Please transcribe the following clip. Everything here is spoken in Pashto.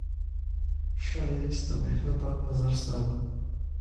ښایست د مهربان نظر ساه ده